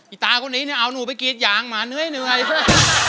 อีตาคนนี้เอานูไปกีดยางมาเนื่อยเหมือนกลับให้เหนื่อย